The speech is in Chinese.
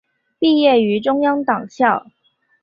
毕业于中央党校。